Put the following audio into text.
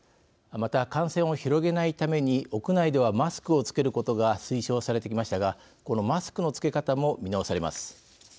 また、感染を広げないために屋内ではマスクを着けることが推奨されてきましたがこのマスクの着け方も見直されます。